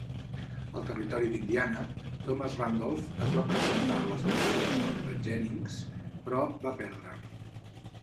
Al Territori d'Indiana, Thomas Randolph es va presentar a les eleccions contra Jennings, però va perdre.